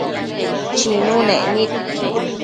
Chinunec nid